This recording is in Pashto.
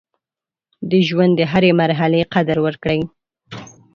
د ژوند د هرې مرحلې قدر وکړئ.